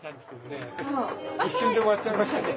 一瞬で終わっちゃいましたね。